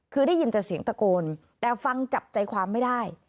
คือได้ยินแต่เสียงตะโกนแต่ฟังจับใจความไม่ได้